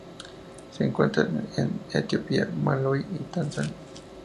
Se encuentra en Etiopía, Malaui y Tanzania.